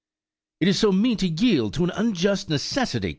"It is so mean to yield to an unjust necessity!"